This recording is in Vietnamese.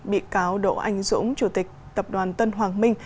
bị cáo đỗ anh dũng chủ tịch tập đoàn tân hoàng minh